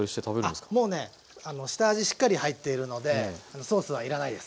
あっもうね下味しっかり入っているのでソースはいらないです。